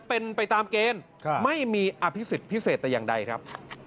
เป็นไปตามเกณฑ์ไม่มีอภิษฎพิเศษแต่อย่างใดครับ